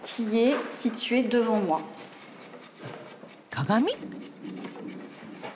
鏡？